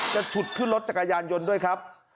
ฉุดขึ้นรถจักรยานยนต์ด้วยครับ